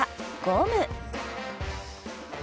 ゴム？